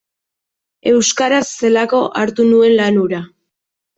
Euskaraz zelako hartu nuen lan hura.